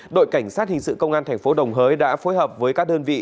đội cảnh sát hình sự công an thành phố đồng hới đã phối hợp với các đơn vị